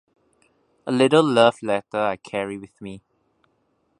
A little love letter I carry with me.